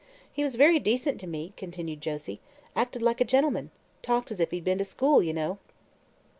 "He was very decent to me," continued Josie. "Acted like a gentleman. Talked as if he'd been to school, you know."